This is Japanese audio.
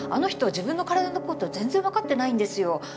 自分の体のこと全然分かってないんですよ。